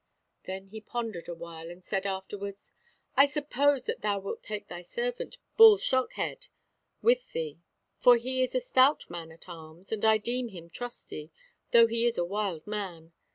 Then he pondered a while and said afterwards: "I suppose that thou wilt take thy servant Bull Shockhead with thee, for he is a stout man at arms, and I deem him trusty, though he be a wild man.